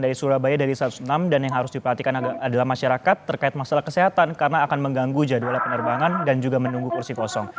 dari surabaya dari satu ratus enam dan yang harus diperhatikan adalah masyarakat terkait masalah kesehatan karena akan mengganggu jadwal penerbangan dan juga menunggu kursi kosong